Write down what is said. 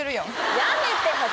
やめて！